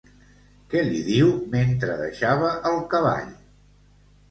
Què li diu mentre deixava el cavall?